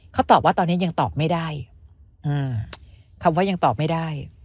เขาตอบว่าตอนนี้ยังตอบไม่ได้คำว่ายังตอบไม่ได้